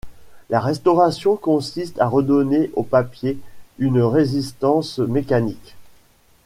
La restauration consiste à redonner au papier une résistance mécanique.